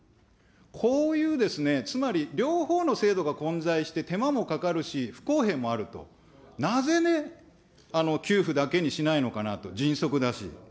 こういうですね、つまり両方の制度が混在して、手間もかかるし、不公平もあると、なぜね、給付だけにしないのかなと、迅速だし。